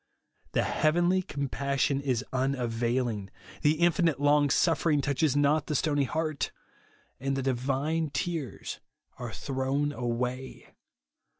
The heavenly compassion is unavailing ; the infinite long suffering touches not the stony heart, and the divine tears are thrown away.